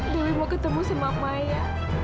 dulu mau ketemu sama maya